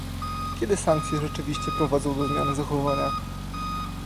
Kiedy sankcje rzeczywiście prowadzą do zmiany zachowania?